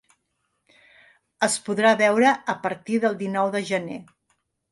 Es podrà veure a partir del dinou de gener.